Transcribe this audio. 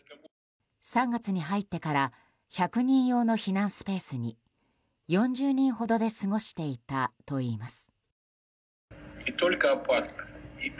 ３月に入ってから１００人用の避難スペースに４０人ほどで過ごしていたといいます。